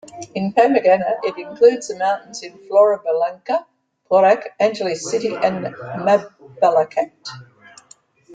In Pampanga, it includes the mountains in Floridablanca, Porac, Angeles City and Mabalacat.